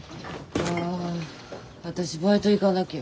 あ私バイト行かなきゃ。